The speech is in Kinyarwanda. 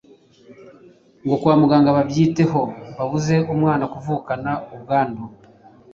ngo kwa muganga babyiteho bakize umwana kuvukana ubwandu